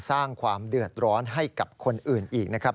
สร้างความเดือดร้อนให้กับคนอื่นอีกนะครับ